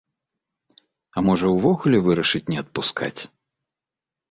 А можа, увогуле вырашыць не адпускаць?